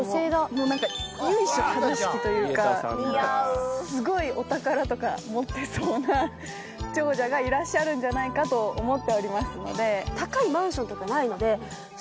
もう何か由緒正しきというかすごいお宝とか持ってそうな長者がいらっしゃるんじゃないかと思っておりますので。